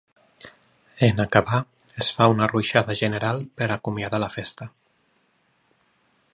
En acabar es fa una ruixada general per acomiadar la festa.